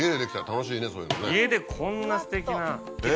家でこんなすてきな。